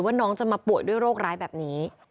น้องจะมาป่วยด้วยโรคร้ายแบบนี้